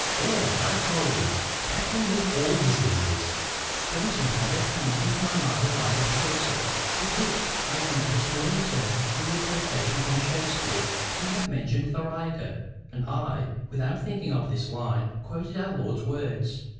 '" "There! I told you! That will meet all diseases." "Strangely now, there comes into my mind a line of Chaucer, with which I will make a small return for your quotation from Shakespeare; you have mentioned theriaca; and I, without thinking of this line, quoted our Lord's words.